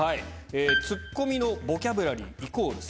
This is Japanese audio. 「ツッコミのボキャブラリーイコールセンス」。